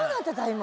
今。